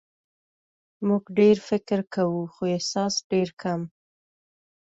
موږ ډېر فکر کوو خو احساس ډېر کم.